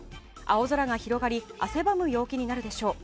青空が広がり汗ばむ陽気になるでしょう。